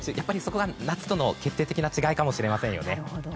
そこが夏との決定的な違いかもしれませんね。